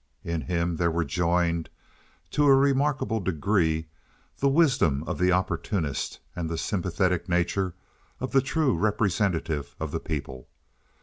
In him there were joined, to a remarkable degree, the wisdom of the opportunist and the sympathetic nature of the true representative of the people.